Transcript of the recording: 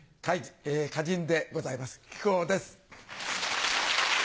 歌人でございます木久扇です。